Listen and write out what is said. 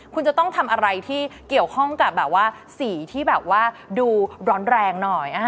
คุณจะต้องทำอะไรที่เกี่ยวข้องกับสีที่ดูร้อนแรงหน่อย